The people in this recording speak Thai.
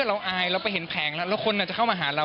เราอายเราไปเห็นแผงแล้วแล้วคนจะเข้ามาหาเรา